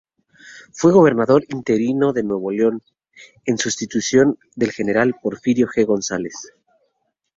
Fue gobernador interino de Nuevo León en sustitución del general Porfirio G. González.